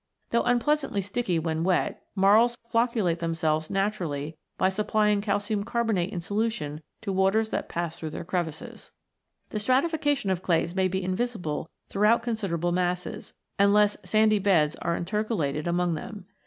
Though unpleasantly sticky when wet, marls flocculate themselves naturally by supply ing calcium carbonate in solution to waters that pass through their crevices (see p. 80). The stratification of clays may be invisible throughout considerable masses, unless sandy beds are intercalated among them.